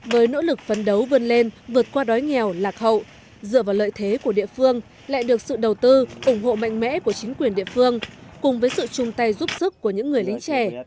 với nỗ lực phấn đấu vươn lên vượt qua đói nghèo lạc hậu dựa vào lợi thế của địa phương lại được sự đầu tư ủng hộ mạnh mẽ của chính quyền địa phương cùng với sự chung tay giúp sức của những người lính trẻ